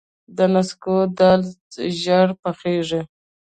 د نسکو دال ژر پخیږي.